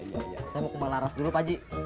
saya mau ke rumah laras dulu pak haji